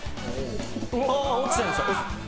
落ちちゃいました。